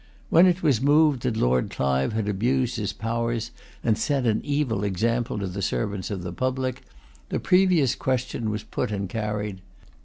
When it was moved that Lord Clive had abused his powers, and set an evil example to the servants of the public, the previous question was put and carried.